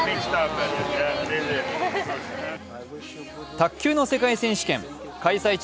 卓球の世界選手権、開催地